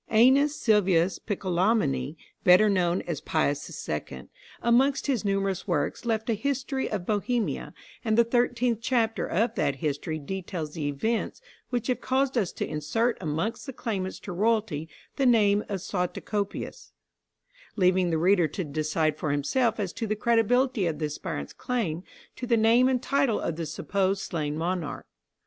Æneas Sylvius Piccolomini, better known as Pius the Second, amongst his numerous works left a History of Bohemia, and the thirteenth chapter of that history details the events which have caused us to insert amongst the claimants to royalty the name of Suatocopius, leaving the reader to decide for himself as to the credibility of the aspirant's claim to the name and title of the supposed slain monarch.